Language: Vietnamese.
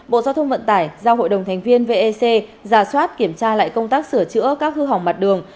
bộ giao thông vận tải giao hội đồng thành viên vec giả soát kiểm tra lại công tác sửa chữa các hư hỏng mặt đường